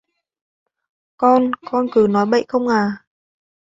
con con cứ nói bậy không à